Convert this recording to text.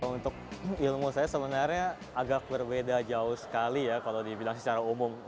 untuk ilmu saya sebenarnya agak berbeda jauh sekali ya kalau dibilang secara umum